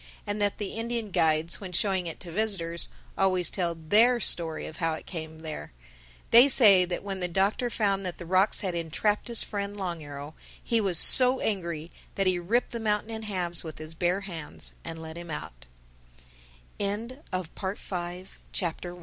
And that the Indian guides, when showing it to visitors, always tell their story of how it came there. They say that when the Doctor found that the rocks had entrapped his friend, Long Arrow, he was so angry that he ripped the mountain in halves with his bare hands